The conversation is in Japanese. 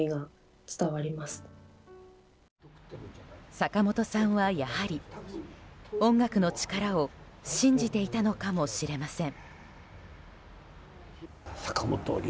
坂本さんは、やはり音楽の力を信じていたのかもしれません。